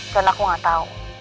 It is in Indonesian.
dan aku gak tahu